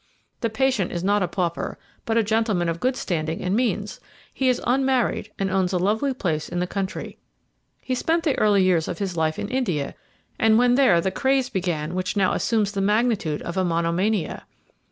The patient is not a pauper, but a gentleman of good standing and means. He is unmarried, and owns a lovely place in the country. He spent the early years of his life in India, and when there the craze began which now assumes the magnitude of a monomania."